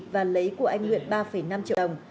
và lấy của anh nguyện ba năm triệu đồng